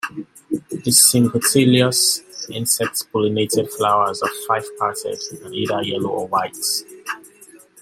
The sympetalous, insect-pollinated flowers are five-parted and either yellow or white.